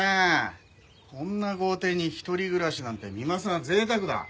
こんな豪邸に一人暮らしなんて三馬さんは贅沢だ。